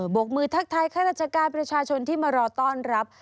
บกมือทักทายข้าราชการประชาชนที่มารอต้อนรับ